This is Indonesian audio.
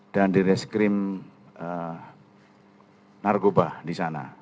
dan di reskrim nargobah di sana